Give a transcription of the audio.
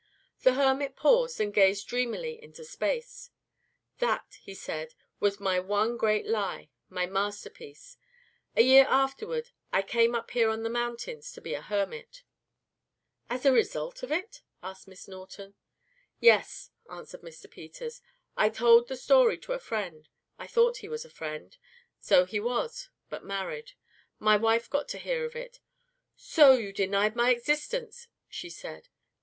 The hermit paused, and gazed dreamily into space. "That," he said, "was my one great lie, my masterpiece. A year afterward I came up here on the mountain to be a hermit." "As a result of it?" asked Miss Norton. "Yes," answered Mr. Peters, "I told the story to a friend. I thought he was a friend so he was, but married. My wife got to hear of it. 'So you denied my existence,' she said.